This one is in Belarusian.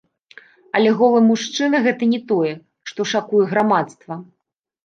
Але голы мужчына гэта не тое, што шакуе грамадства.